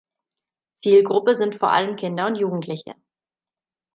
Zielgruppe sind vor allem Kinder und Jugendliche.